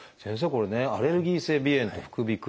これねアレルギー性鼻炎と副鼻腔